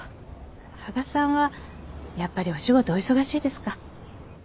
羽賀さんはやっぱりお仕事お忙しいですか？